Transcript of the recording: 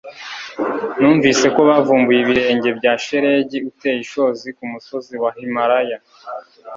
Numvise ko bavumbuye ibirenge bya shelegi uteye ishozi kumusozi wa Himalaya